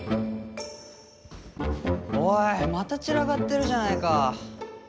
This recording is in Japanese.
おいまた散らかってるじゃないか。